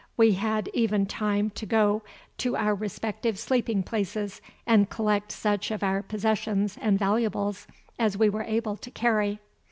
We had even time to go to our respective sleeping places and collect such of our possessions and valuables as we were able to carry.